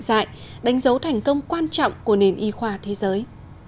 ông đã đánh dấu thành công quan trọng của nền y khoa thế giới